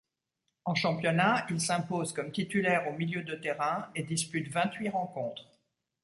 En championnat, il s'impose comme titulaire au milieu de terrain et dispute vingt-huit rencontres.